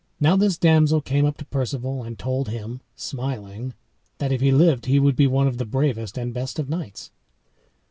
Now this damsel came up to Perceval and told him, smiling, that if he lived he would be one of the bravest and best of knights.